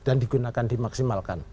dan digunakan dimaksimalkan